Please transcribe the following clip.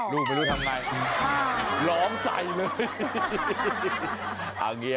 ลูกไม่รู้ทำไมหลอมใส่เลย